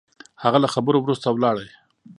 هغه له خبرو وروسته ولاړ.